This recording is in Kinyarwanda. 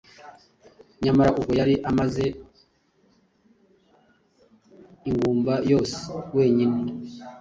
Nyamara ubwo yari amaze ingumba yose wenyine